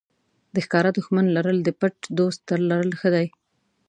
د ښکاره دښمن لرل د پټ دوست تر لرل ښه دي.